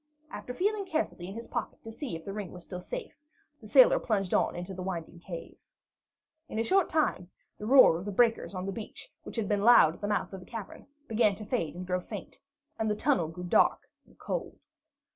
After feeling carefully in his pocket to see if the ring was still safe, the sailor plunged on into the winding cave. In a short time, the roar of the breakers on the beach, which had been loud at the mouth of the cavern, began to fade and grow faint, and the tunnel grew dark and cold.